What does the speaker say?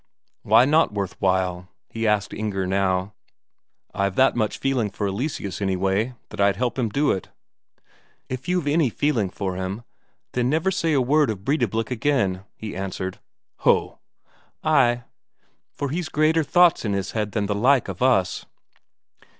"Why not worth while?" he asked Inger now. "I've that much feeling for Eleseus, anyway, that I'd help him to it." "If you've any feeling for him, then say never a word of Breidablik again," she answered. "Ho!" "Ay, for he's greater thoughts in his head than the like of us."